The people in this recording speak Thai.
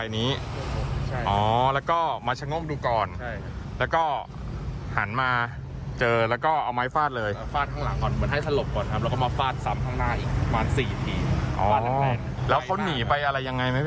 นี่ไปอะไรยังไงไหมพี่